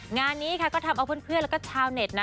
งานนี้ค่ะก็ทำเอาเพื่อนแล้วก็ชาวเน็ตนะ